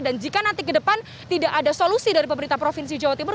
jika nanti ke depan tidak ada solusi dari pemerintah provinsi jawa timur